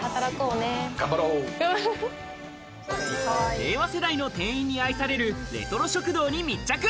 令和世代の店員に愛されるレトロ食堂に密着。